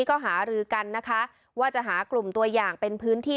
ก็หารือกันนะคะว่าจะหากลุ่มตัวอย่างเป็นพื้นที่